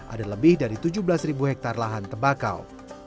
ada lebih dari tujuh belas hektare lahan tembakau